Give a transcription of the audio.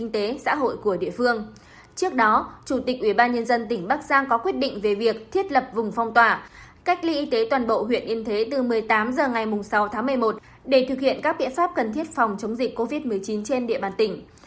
trước đó chủ tịch ubnd tỉnh bắc giang có quyết định về việc thiết lập vùng phong tỏa cách ly y tế toàn bộ huyện yên thế từ một mươi tám h ngày sáu tháng một mươi một để thực hiện các biện pháp cần thiết phòng chống dịch covid một mươi chín trên địa bàn tỉnh